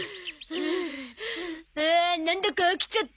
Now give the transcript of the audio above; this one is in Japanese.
はあなんだか飽きちゃった。